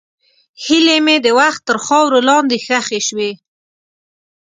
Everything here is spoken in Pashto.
هیلې مې د وخت تر خاورو لاندې ښخې شوې.